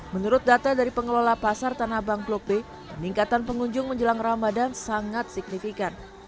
menurut data dari pengelola pasar tanah abang blok b peningkatan pengunjung menjelang ramadan sangat signifikan